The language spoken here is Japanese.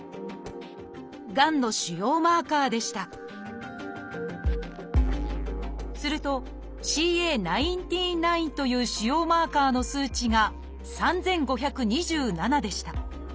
がんの腫瘍マーカーでしたすると「ＣＡ１９−９」という腫瘍マーカーの数値が３，５２７でした。